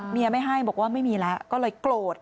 ไม่ให้บอกว่าไม่มีแล้วก็เลยโกรธ